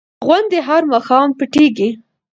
غوندې هر ماښام پټېږي.